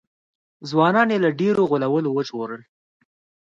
ځوانان یې له ډېرو غولو وژغورل.